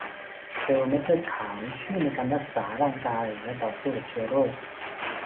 เซลล์เม็ดเลือดขาวช่วยในการรักษาร่างกายและต่อสู้กับเชื้อโรค